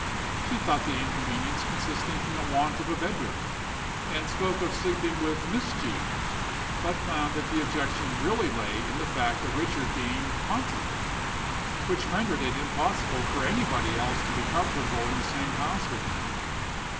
She thought the inconvenience consisted in the want of a bed room, and spoke of sleeping with Miss G——, but found that the objection really lay in the fact of Richard being 'haunted,' which rendered it impossible for anybody else to be comfortable in the same house with him.